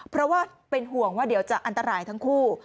เพราะว่าเป็นห่วงว่าเดี๋ยวจะอันตรายทั้งคู่